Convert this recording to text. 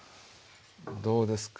どうですか？